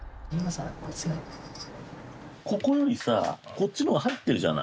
ここよりさこっちの方が入ってるじゃない。